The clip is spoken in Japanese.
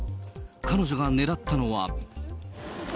彼女が狙ったのは。